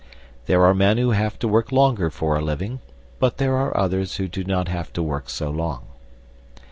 There are men who have to work longer for a living, but there are others who do not have to work so long.